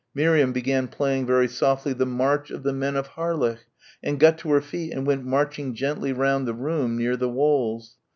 Miriam began playing very softly "The March of the Men of Harlech," and got to her feet and went marching gently round the room near the walls.